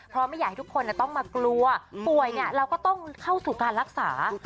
เพราะไม่อยากให้ทุกคนต้องมากลัวป่วยเราก็ต้องเข้าสู่การรักษา